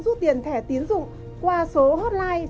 rút tiền thẻ tiến dụng qua số hotline